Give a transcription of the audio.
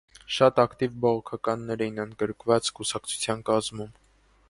Շատ ակտիվ բողոքականներ էին ընդգրկված կուսակցության կազմում։